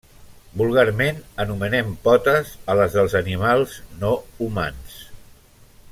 Vulgarment, anomenem potes a les dels animals no humans.